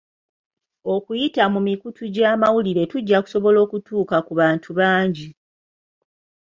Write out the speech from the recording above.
Okuyita mu mikutu gy'amawulire tujja kusobola okutuuka ku bantu bangi.